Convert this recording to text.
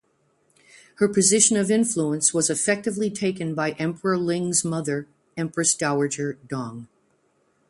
Her position of influence was effectively taken by Emperor Ling's mother Empress Dowager Dong.